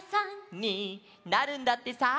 「になるんだってさ」